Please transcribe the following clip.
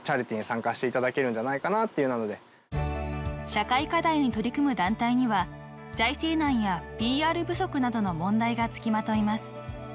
［社会課題に取り組む団体には財政難やＰＲ不足などの問題が付きまといます］